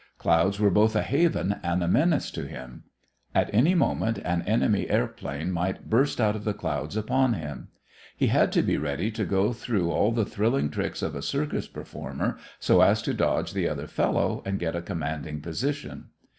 Clouds were both a haven and a menace to him. At any moment an enemy plane might burst out of the clouds upon him. He had to be ready to go through all the thrilling tricks of a circus performer so as to dodge the other fellow and get a commanding position.